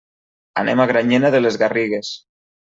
Anem a Granyena de les Garrigues.